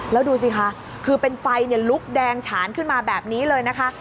แล้วดูสิคะคือเป็นไฟลุกแดงฉานขึ้นมาแบบนี้เลยนะคะ